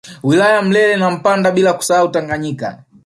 Wilaya ya Mlele na Mpanda bila kusahau Tanganyika